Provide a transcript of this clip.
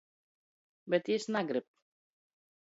Bet jis nagrib.